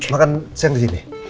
makan siang di sini